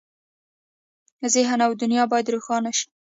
ذهن او دنیا باید روښانه شي.